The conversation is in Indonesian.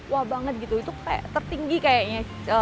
wah banget gitu itu kayak tertinggi kayaknya